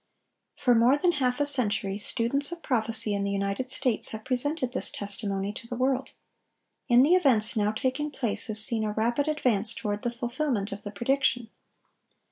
For more than half a century, students of prophecy in the United States have presented this testimony to the world. In the events now taking place is seen a rapid advance toward the fulfilment of the prediction.